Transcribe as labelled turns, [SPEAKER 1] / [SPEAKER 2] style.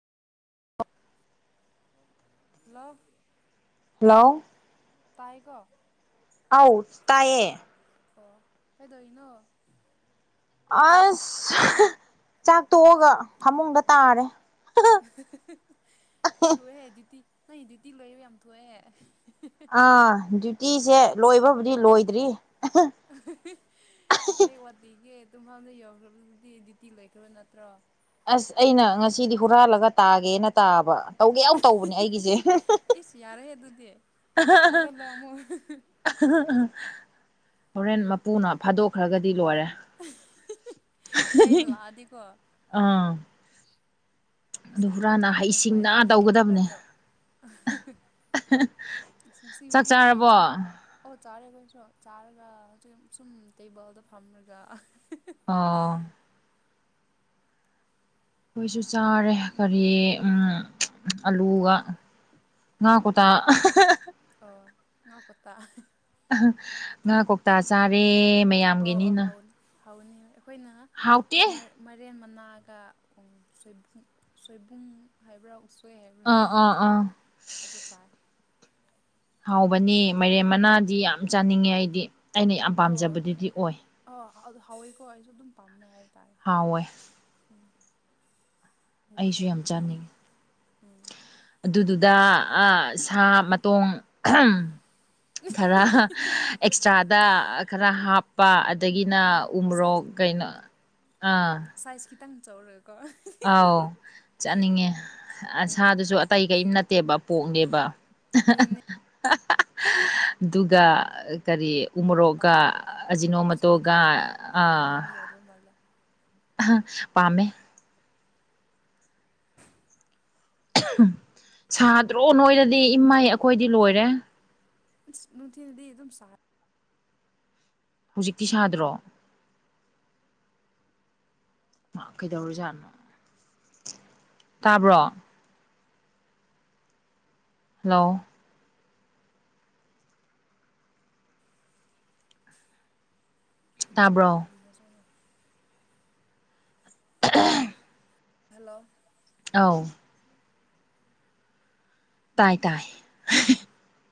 [SPEAKER 1] ꯂ꯭ꯂꯞ
[SPEAKER 2] hello
[SPEAKER 1] ꯇꯥꯏꯒꯣ
[SPEAKER 2] ꯑꯥꯎ ꯇꯥꯏꯌꯦ
[SPEAKER 1] ꯑꯣ ꯑꯩꯥꯏꯗꯩꯅꯣ
[SPEAKER 2] ꯑꯁ ꯆꯥꯛ ꯇꯣꯛꯑꯒ ꯐꯃꯨꯡꯗ ꯇꯥꯔꯦ
[SPEAKER 1] ꯊꯣꯛꯑꯦ ꯗ꯭ꯌꯨꯇꯤ ꯅꯪ ꯗ꯭ꯌꯨꯇꯤ ꯂꯣꯏꯕ ꯌꯥꯝ ꯊꯣꯛꯑꯦꯍꯦ
[SPEAKER 2] ꯑꯥ ꯗ꯭ꯌꯨꯇꯤꯁꯦ ꯂꯣꯏꯕꯕꯨꯗꯤ ꯂꯣꯏꯗ꯭ꯔꯤ
[SPEAKER 1] ꯀꯩ ꯋꯥꯗꯤꯒꯦ ꯑꯗꯨꯝ ꯍꯅ ꯌꯧꯈ꯭ꯔꯕꯗꯤ ꯗ꯭ꯌꯨꯇꯤ ꯂꯩꯈ꯭ꯔꯕ ꯅꯠꯇ꯭ꯔꯣ
[SPEAKER 2] ꯑꯁ ꯑꯩꯅ ꯉꯁꯤꯗꯤ ꯍꯨꯔꯥꯜꯂꯒ ꯇꯥꯒꯦꯅ ꯇꯥꯕ ꯇꯧꯒꯦ ꯌꯥꯝ ꯇꯧꯕꯅꯦ ꯑꯩꯒꯤꯁꯦ
[SPEAKER 1] ꯏꯁ ꯌꯥꯔꯦꯍꯦ ꯑꯗꯨꯗꯤ ꯍꯧꯒꯠꯂꯣ ꯑꯃꯨꯛ
[SPEAKER 2] ꯑ ꯍꯣꯔꯦꯟ ꯃꯄꯨꯅ ꯐꯥꯗꯣꯛꯈ꯭ꯔꯒꯗꯤ ꯂꯣꯏꯔꯦ
[SPEAKER 1] ꯆꯥꯏꯅ ꯂ ꯑꯗꯤꯀ
[SPEAKER 2] ꯑꯥ ꯑꯗꯨ
[SPEAKER 1] ꯏꯁꯇ
[SPEAKER 2] ꯍꯨꯔꯥꯟꯅ
[SPEAKER 1] ꯆꯥꯎꯕꯗꯣ
[SPEAKER 2] ꯍꯩꯁꯤꯡꯅ
[SPEAKER 1] ꯅꯨꯡꯉꯥꯏꯇꯕꯅꯤ ꯍꯦꯛ
[SPEAKER 2] ꯇꯧꯒꯗꯕꯅꯦ
[SPEAKER 1] ꯍꯧꯒꯠꯂꯣ
[SPEAKER 2] ꯆꯥꯛ
[SPEAKER 1] ꯁꯤꯕꯗꯤ
[SPEAKER 2] ꯆꯥꯔꯕꯣ
[SPEAKER 1] ꯀꯩꯅ ꯆꯥꯔꯦ ꯑꯩꯈꯣꯏꯁꯨ ꯆꯥꯔꯒ ꯑꯗꯨ ꯁꯨꯝ ꯇꯦꯕꯜꯗꯣ ꯐꯝꯔꯒ
[SPEAKER 2] ꯑꯣ ꯑꯩꯈꯣꯏꯁꯨ ꯆꯥꯔꯦ ꯀꯔꯤ ꯑꯂꯨꯒ ꯉꯅꯥ ꯀꯇ
[SPEAKER 1] ꯑꯣ ꯉꯥꯀꯧꯇꯥ
[SPEAKER 2] ꯉꯥ ꯀꯧꯇꯥ ꯆꯥꯔꯦ ꯃꯌꯥꯝꯒꯤꯅꯤꯅ
[SPEAKER 1] ꯐꯥꯎꯅꯤ ꯑꯩꯈꯣꯏꯅ
[SPEAKER 2] ꯍꯥꯎꯇꯦ
[SPEAKER 1] ꯃꯔꯦꯟ ꯅꯥꯒ ꯁꯣꯏ ꯁꯣꯏꯕꯨꯡ ꯍꯥꯏꯕ꯭ꯔꯥ ꯍꯥꯏꯕ꯭ꯔꯥ
[SPEAKER 2] ꯑꯥ ꯑꯥ ꯑꯥ
[SPEAKER 1] ꯑꯗꯨ ꯆꯥꯏ
[SPEAKER 2] ꯍꯥꯎꯕꯅꯤ ꯃꯥꯏꯔꯦꯝ ꯃꯅꯥꯗꯤ ꯌꯥꯝ ꯆꯥꯅꯤꯡꯉꯦ ꯑꯩꯗꯤ ꯑꯩꯅ ꯌꯥꯝ ꯄꯥꯝꯖꯕꯗꯨꯗꯤ ꯑꯣꯏ
[SPEAKER 1] ꯍꯥꯎꯏꯀꯣ ꯑꯩꯁꯨ ꯑꯗꯨꯝ ꯄꯥꯝꯃꯦ ꯍꯥꯏꯗꯤ
[SPEAKER 2] ꯍꯥꯎꯋꯦ
[SPEAKER 1] ꯍꯥꯏꯗꯤ
[SPEAKER 2] ꯑꯩꯁꯨ ꯌꯥꯝ
[SPEAKER 1] ꯀꯃꯥꯏ
[SPEAKER 2] ꯆꯥꯅꯤꯡꯉꯤ
[SPEAKER 1] ꯎꯝ
[SPEAKER 2] ꯑꯗꯨꯗꯨꯗ ꯑ ꯁꯥ ꯃꯇꯣꯡ ꯈꯔ ꯑꯦꯛꯁꯇ꯭ꯔꯥꯗ ꯈꯔ ꯍꯥꯞꯄ ꯑꯗꯒꯤꯅ
[SPEAKER 1] ꯑꯥ
[SPEAKER 2] ꯎꯃꯣꯔꯣꯛ
[SPEAKER 1] ꯁꯥꯏꯖ
[SPEAKER 2] ꯀꯩꯅꯣ ꯑꯥ
[SPEAKER 1] ꯪ ꯆꯧꯂꯣꯏ
[SPEAKER 2] ꯑꯥꯎ ꯆꯠꯅꯤꯡꯉꯦ
[SPEAKER 1] ꯑꯥ
[SPEAKER 2] ꯑꯁꯥꯗꯨꯁꯨ ꯑꯇꯩ ꯀꯔꯤꯝ ꯅꯠꯇꯦꯕ ꯄꯣꯡꯒꯦꯕ
[SPEAKER 1] ꯑꯗꯨꯅꯤ
[SPEAKER 2] ꯑꯗꯨꯒ ꯀꯔꯤ ꯎꯃꯣꯔꯣꯛꯒ ꯑꯖꯤꯅꯣ
[SPEAKER 1] ꯑꯣꯛꯁꯥꯗꯣ
[SPEAKER 2] ꯃꯇꯇꯣꯒ ꯑ ꯑ
[SPEAKER 1] ꯄꯥꯝꯗꯕ ꯃꯤ ꯌꯥꯎꯗꯕ ꯃꯥꯜꯂꯦ
[SPEAKER 2] ꯄꯥꯝꯃꯦꯃꯦ ꯁꯥꯗ꯭ꯔꯣ ꯅꯣꯏꯔꯗꯤ ꯏꯃꯥꯏ ꯑꯩꯈꯣꯏꯗꯤ ꯂꯣꯏꯔꯦ
[SPEAKER 1] ꯅꯅꯨꯡꯊꯗꯤ ꯑꯗꯨꯝ ꯁ
[SPEAKER 2] ꯍꯧꯖꯤꯛꯇꯤ ꯁꯥꯗ꯭ꯔꯣ ꯀꯩꯗꯧꯔꯖꯥꯠꯅꯣ ꯇꯥꯕ꯭ꯔꯣ ꯍꯜꯂꯣ ꯇꯥꯕ꯭ꯔꯣ [unintelligible]
[SPEAKER 1] ꯍꯜꯂꯣ
[SPEAKER 2] ꯑꯥꯎ ꯇꯥꯏ ꯇꯥꯏ